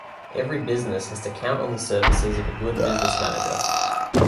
Every business has to count on the services of a good business manager.